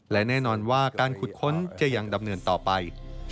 และแน่นอนว่าการขุดค้นจะยังดำเนินต่อไป